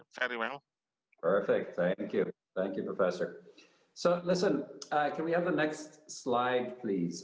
saya pikir penting untuk mengingatkan diri kita tentang konteks